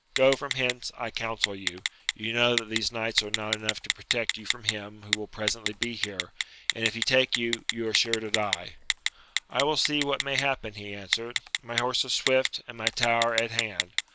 Go from hence, I counsel you ! you know that these knights are not enough to protect you from him who will presently be here, and, if he take you, you are* sure to die. I will see what may happen, he answered, my horse is swift, and my tower at hand.